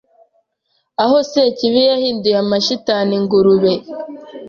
Aho Sekibi Yahinduye amashitani ingurube